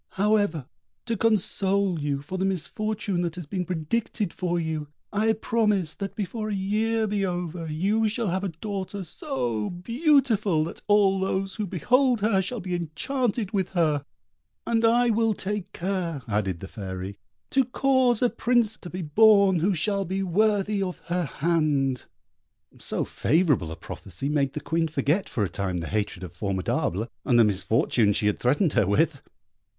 However, to console you for the misfortune that has been predicted for you, I promise that before a year be over, you shall have a daughter so beautiful that all those who behold her shall be enchanted with her, and I will take care," added the Fairy, "to cause a Prince to be born who shall be worthy of her hand." So favourable a prophecy made the Queen forget for a time the hatred of Formidable, and the misfortune she had threatened her with.